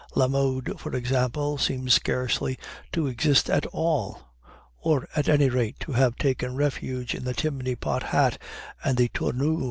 La mode, for example, seems scarcely to exist at all; or at any rate to have taken refuge in the chimney pot hat and the tournure.